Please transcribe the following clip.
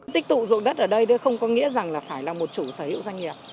tích tụ dụng đất ở đây không có nghĩa rằng là phải là một chủ sở hữu doanh nghiệp